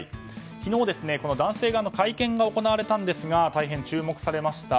昨日、男性側の会見が行われたんですが大変注目されました。